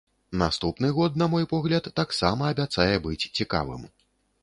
Наступны год, на мой погляд, таксама абяцае быць цікавым.